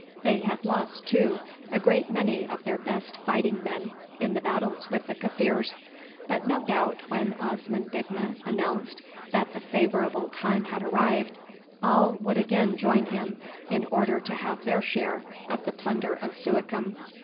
They had lost, too, a great many of their best fighting men in the battles with the Kaffirs, but no doubt when Osman Digma announced that the favourable time had arrived, all would again join him in order to have their share of the plunder of Suakim.